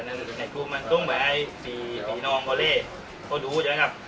นั่นในกลุ่มมันต้องแบบให้สี่สี่นองก็เล่ก็ดูแล้วกันครับ